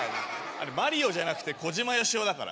あれマリオじゃなくて小島よしおだから。